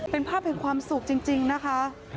เป็นภาพแห่งความสุขจริงนะคะ